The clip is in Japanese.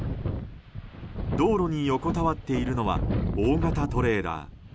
道路に横たわっているのは大型トレーラー。